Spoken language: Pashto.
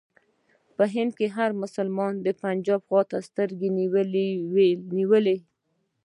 په هند کې هر مسلمان د پنجاب خواته سترګې نیولې.